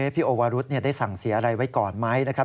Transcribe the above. พี่โอวารุธได้สั่งเสียอะไรไว้ก่อนไหมนะครับ